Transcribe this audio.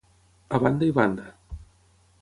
A banda i banda.